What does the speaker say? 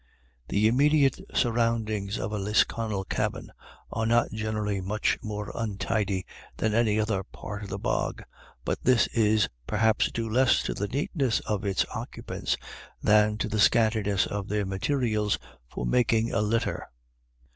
The immediate surroundings of a Lisconnel cabin are not generally much more untidy than any other part of the bog, but this is perhaps due less to the neatness of its occupants than to the scantiness of their materials for making a litter.